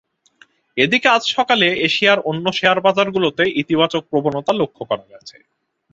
এদিকে আজ সকালে এশিয়ার অন্য শেয়ারবাজারগুলোতে ইতিবাচক প্রবণতা লক্ষ করা গেছে।